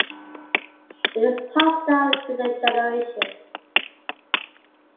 It is passed down through the generations.